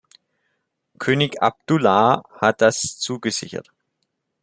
König Abdullah hat das zugesichert.